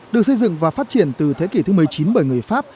được xây dựng và phát triển từ thế kỷ thứ một mươi chín bởi người pháp